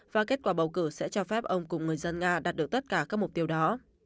và kết quả bầu cử sẽ cho phép ông cùng người dân nga đạt được tất cả các mục tiêu đó